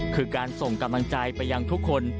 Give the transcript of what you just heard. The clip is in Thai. คือการส่งกำลังใจไปยังทุกคน